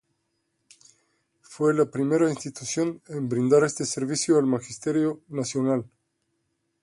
Fue la primera institución en brindar este servicio al magisterio nacional.